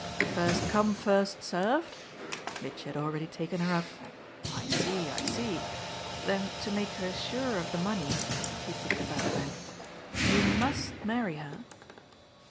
"First come first served?" Mitchy had already taken her up. "I see, I see. Then to make her sure of the money," he put to Vanderbank, "you MUST marry her?"